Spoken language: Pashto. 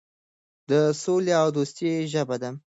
د سولې او دوستۍ ژبه ده.